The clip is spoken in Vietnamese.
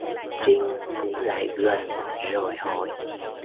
Trinh cũng lại gần rồi hỏi